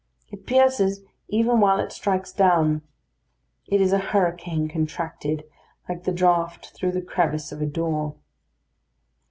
It pierces even while it strikes down. It is a hurricane contracted, like the draught through the crevice of a door.